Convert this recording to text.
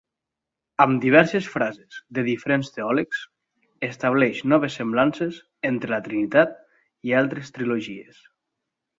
Amb diverses frases de diferents teòlegs, estableix noves semblances entre la Trinitat i altres trilogies.